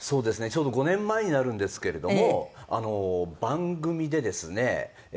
ちょうど５年前になるんですけれども番組でですね